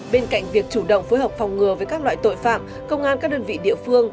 bên cạnh việc chủ động phối hợp phòng ngừa với các loại tội phạm công an các đơn vị địa phương